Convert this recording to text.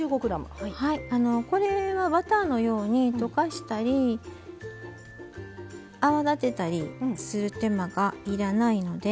これはバターのように溶かしたり泡立てたりする手間が要らないので。